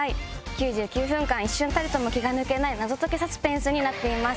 ９９分間一瞬も気が抜けない謎解きサスペンスになってます。